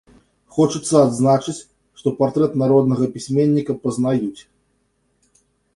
Хочацца адзначыць, што партрэт народнага пісьменніка пазнаюць.